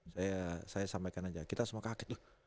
saya sampaikan aja kita semua kaget